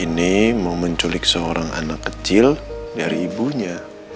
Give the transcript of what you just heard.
ini mau menculik seorang anak kecil dari ibunya